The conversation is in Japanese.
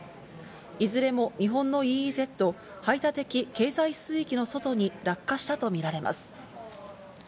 いずれも日本のＥＥＺ＝排他的経済水域の外に落下したとみられます。